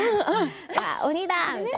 鬼だみたいな。